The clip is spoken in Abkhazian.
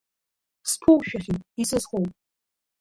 Сԥушәахьеит, исызхоуп…